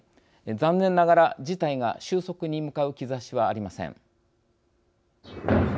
残念ながら事態が収束に向かう兆しはありません。